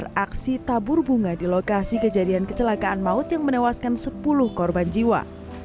dan mengelar aksi tabur bunga di lokasi kejadian kecelakaan maut yang menewaskan sepuluh korban jiwa